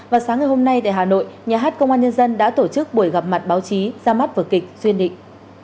vào sáng ngày hôm nay tại hà nội nhà hát công an nhân dân đã tổ chức buổi gặp mặt báo chí ra mắt vợ kịch duyên định